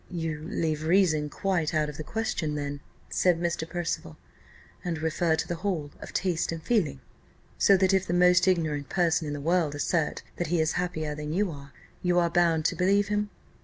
"You leave reason quite out of the question, then," said Mr. Percival, "and refer the whole to taste and feeling? So that if the most ignorant person in the world assert that he is happier than you are, you are bound to believe him."